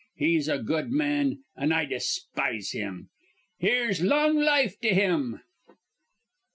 He's a good man, an' I despise him. Here's long life to him."